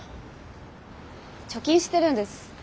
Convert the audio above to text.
貯金してるんです。